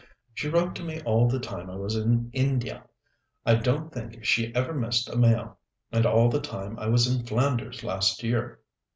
She wrote to me all the time I was in India I don't think she ever missed a mail and all the time I was in Flanders last year.